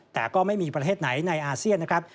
แต่ก็ไม่มีประเทศไหนในอาเซียนนะครับ